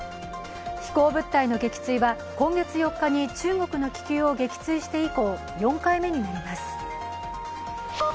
飛行物体の撃墜は今月４日に中国の気球を撃墜して以降、４回目になります。